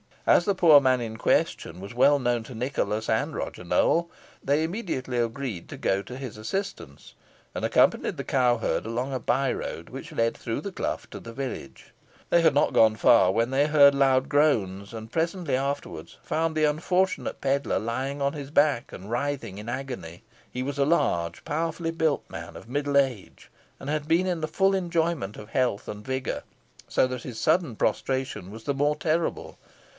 As the poor man in question was well known both to Nicholas and Roger Nowell, they immediately agreed to go to his assistance, and accompanied the cowherd along a by road which led through the clough to the village. They had not gone far when they heard loud groans, and presently afterwards found the unfortunate pedlar lying on his back, and writhing in agony. He was a large, powerfully built man, of middle age, and had been in the full enjoyment of health and vigour, so that his sudden prostration was the more terrible.